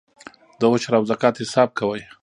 د عشر او زکات حساب کوئ؟